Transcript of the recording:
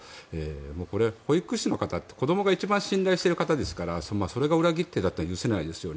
これ、保育士の方子どもが一番信頼している方ですからそれが裏切っていたというのは許せないですよね。